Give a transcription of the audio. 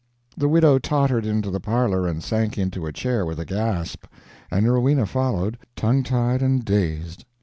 The widow tottered into the parlor and sank into a chair with a gasp, and Rowena followed, tongue tied and dazed.